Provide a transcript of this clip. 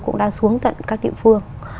cũng đã xuống tận các địa phương